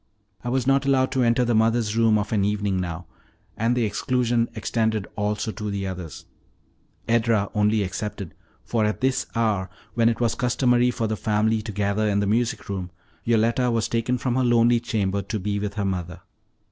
I was not allowed to enter the Mother's Room of an evening now, and the exclusion extended also to the others, Edra only excepted; for at this hour, when it was customary for the family to gather in the music room, Yoletta was taken from her lonely chamber to be with her mother.